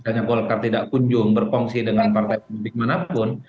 misalnya golkar tidak kunjung berkongsi dengan partai politik manapun